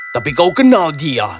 tapi kau kenal dia